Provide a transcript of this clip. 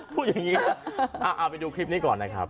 พูดอย่างนี้เอาไปดูคลิปนี้ก่อนนะครับ